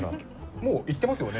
もう行ってますよね？